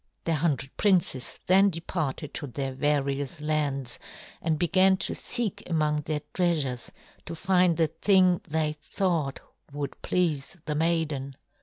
The hundred princes then departed to their various lands and began to seek among their treasures to find the thing they thought would please the maiden.